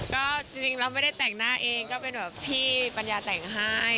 ก็จริงเราไม่ได้แต่งหน้าเองก็เป็นแบบที่ปัญญาแต่งให้